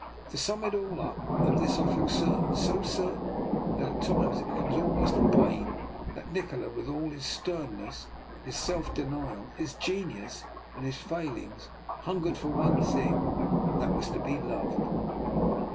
To sum it all up, of this I feel certain, so certain indeed that at times it becomes almost a pain, that Nikola, with all his sternness, his self denial, his genius and his failings, hungered for one thing, and that was to be loved.